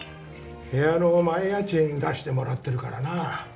部屋の前家賃出してもらってるからな。